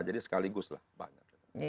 jadi sekaligus lah banyak